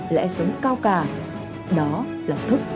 là những công việc xuyên ngày tháng